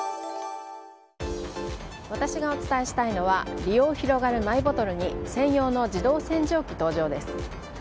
私がお伝えしたいのは利用広がるマイボトルに専用の自動洗浄機登場です。